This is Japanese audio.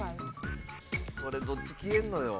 これどっち消えんのよ？